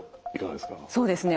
そうですね